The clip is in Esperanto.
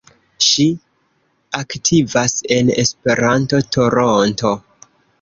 Ŝi aktivas en Esperanto-Toronto.